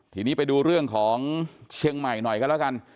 ทีนี้ไปดูเรื่องของเชียงใหม่หน่อยกันแล้วกัน